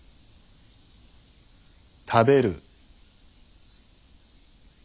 食べる。